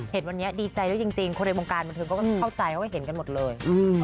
เห็นวันนี้ดีใจด้วยจริงคนในวงการบันเทิงเขาก็เข้าใจว่าเห็นกันหมดเลย